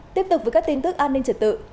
tiếp tục với các tin tức an ninh trật tự